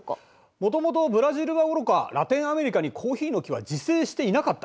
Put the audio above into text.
もともとブラジルはおろかラテンアメリカにコーヒーの木は自生していなかった。